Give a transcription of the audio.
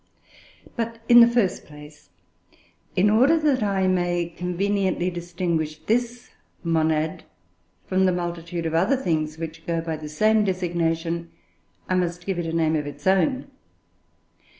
But, in the first place, in order that I may conveniently distinguish this "Monad" from the multitude of other things which go by the same designation, I must give it a name of its own.